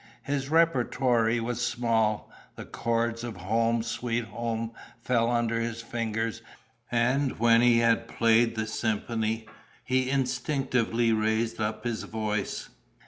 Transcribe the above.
His repertory was small: the chords of Home, Sweet Home fell under his fingers; and when he had played the symphony, he instinctively raised up his voice.